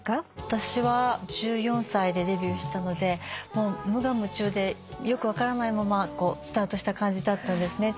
私は１４歳でデビューしたので無我夢中でよく分からないままスタートした感じだったんですね。